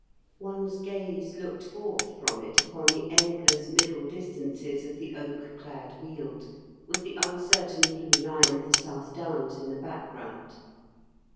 One's gaze looked forth from it upon the endless middle distances of the oak clad Weald, with the uncertain blue line of the South Downs in the background.